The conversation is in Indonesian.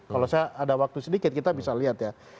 kalau saya ada waktu sedikit kita bisa lihat ya